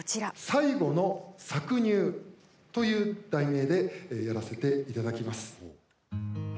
「最後の搾乳」という題名で、やらせていただきます。